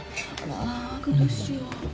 あらどうしよう。